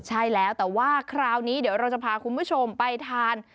ใช่แล้วแต่ว่าคราวนี้เดี๋ยวเราจะพาคุณผู้ชมไปทาน